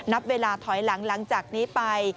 นับเวลาถอยหลังหลังจากนี้ไป